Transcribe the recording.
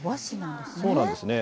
そうなんですね。